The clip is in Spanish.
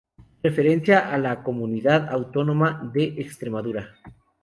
Referencia a la Comunidad Autónoma de Extremadura"'.